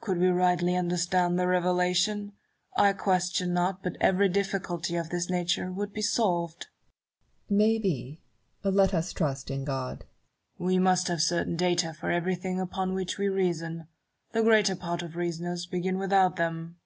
Could we rightly understand the Revelation, I question not but every difficulty of this nature would be solved. Barrow. May be : let us trust in God. Newton. "We must have certain data for everything upon which we reason : the greater part of reasoners begin without them.